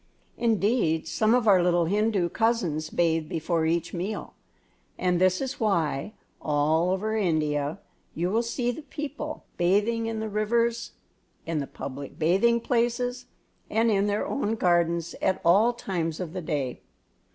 Indeed, some of our little Hindu cousins bathe before each meal; and this is why, all over India, you will see the people bathing in the rivers, in the public bathing places, and in their own gardens at all times of the day.